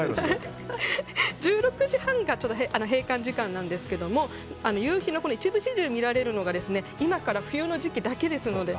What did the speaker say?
１６時半が閉館時間なんですけど夕日の一部始終を見られるのが今から冬の時期だけですので。